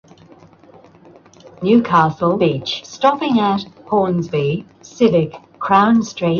The genus "Schistosoma" as currently defined is paraphyletic, so revisions are likely.